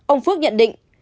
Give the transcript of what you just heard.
ông phước nhận định